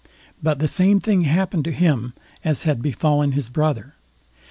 But the same thing happened to him as had befallen his brother.